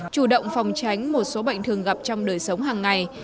chủ động phòng tránh một số bệnh thường gặp trong đời sống hàng ngày